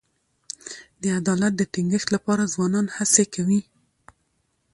د عدالت د ټینګښت لپاره ځوانان هڅي کوي.